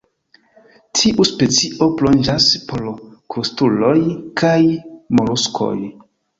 Tiu specio plonĝas por krustuloj kaj moluskoj.